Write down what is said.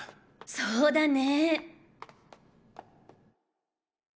そうだね。